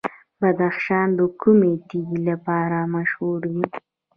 بدخشان د کومې تیږې لپاره مشهور دی؟